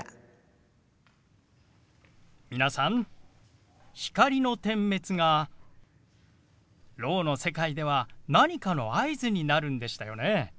皆さん光の点滅がろうの世界では何かの合図になるんでしたよね。